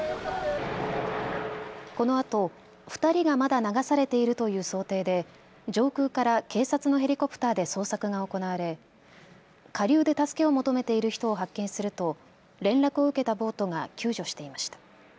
このあと２人がまだ流されているという想定で上空から警察のヘリコプターで捜索が行われ下流で助けを求めている人を発見すると連絡を受けたボートが救助していました。